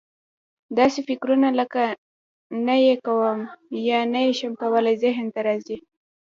داسې فکرونه لکه: نه یې کوم یا نه یې شم کولای ذهن ته راځي.